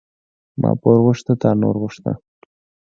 ما پور غوښته، تا نور غوښته.